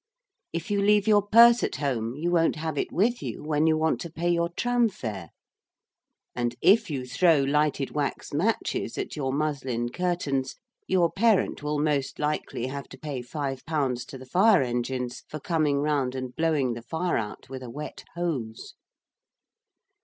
If you leave your purse at home, you won't have it with you when you want to pay your tram fare. And if you throw lighted wax matches at your muslin curtains, your parent will most likely have to pay five pounds to the fire engines for coming round and blowing the fire out with a wet hose.